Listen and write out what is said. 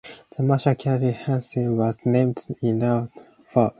The Martian crater "Henry" was named in honour of Paul.